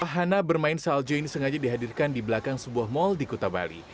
wahana bermain salju ini sengaja dihadirkan di belakang sebuah mal di kota bali